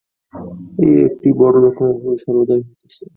এই একটি বড় রকমের ভুল সর্বদাই হইতেছে।